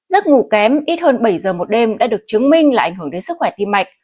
giấc ngủ kém ít hơn bảy giờ một đêm đã được chứng minh là ảnh hưởng đến sức khỏe tim mạch